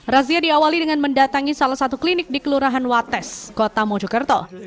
razia diawali dengan mendatangi salah satu klinik di kelurahan wates kota mojokerto